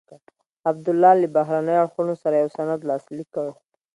عبدالله له بهرنیو اړخونو سره یو سند لاسلیک کړ.